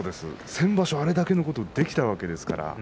先場所あれだけのことができたわけですから。